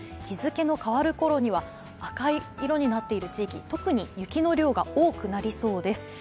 日付の変わる頃には赤い色になっている地域特に雪の量が多くなりそうです。